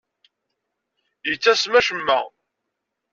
Yettasem acemma.